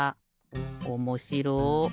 おもしろ。